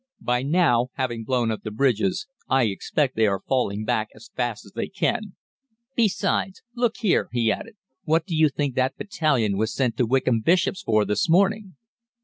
By now, having blown up the bridges, I expect they are falling back as fast as they can get. Besides, look here,' he added, 'what do you think that battalion was sent to Wickham Bishops for this morning?'